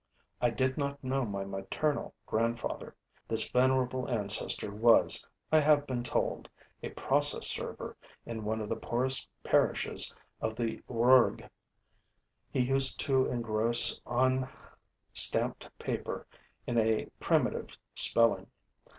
I did not know my maternal grandfather. This venerable ancestor was, I have been told, a process server in one of the poorest parishes of the Rouergue. He used to engross on stamped paper in a primitive spelling.